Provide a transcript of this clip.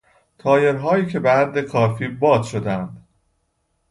تایرهایی که به حد کافی باد شدهاند